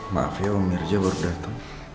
maaf ya om mirja baru datang